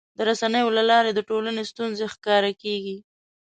د رسنیو له لارې د ټولنې ستونزې ښکاره کېږي.